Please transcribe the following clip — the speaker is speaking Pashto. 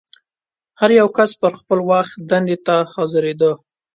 هر یو کس به پر خپل وخت دندې ته حاضرېده.